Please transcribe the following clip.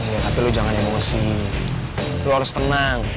iya tapi lo jangan emosi lo harus tenang